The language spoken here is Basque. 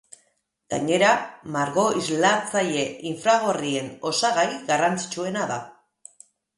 Gainera, margo islatzaile infragorrien osagai garrantzitsuena da.